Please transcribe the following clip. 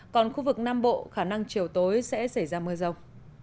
còn khu vực nam bộ khả năng chiều tối sẽ xảy ra mưa rông